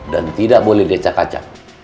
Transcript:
dan tidak boleh dicak kacang